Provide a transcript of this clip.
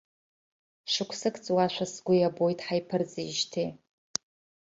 Шықәсык ҵуашәа сгәы иабоит ҳаиԥырҵиижьҭеи.